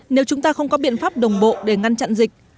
nếu chúng ta không có biện pháp đồng bộ để ngăn chặn dịch